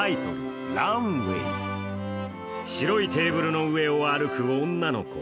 白いテーブルの上を歩く女の子。